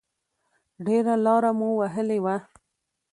ډېره لاره مو وهلې وه.